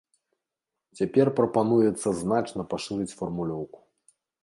Цяпер прапануецца значна пашырыць фармулёўку.